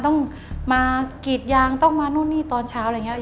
ต้องมากีดยางต้องมานู่นนี่ตอนเช้า